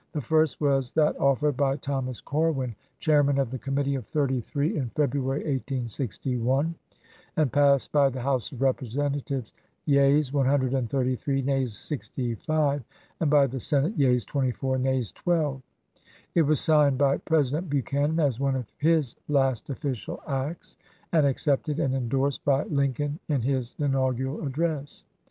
The first was that offered by Thomas Corwin, chairman of the Committee of Thirty three, in February, 1861, and passed by the House of Representatives, yeas, 133 ; nays, 65; and by the Senate, yeas, 24; nays, 12. It was signed by President Buchanan as one of his last official acts, and accepted and indorsed by Lincoln in his inaugural address.